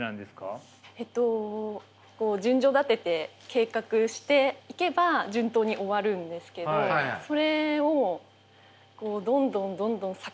えっと順序立てて計画していけば順当に終わるんですけどそれをどんどんどんどん先延ばしにしちゃって。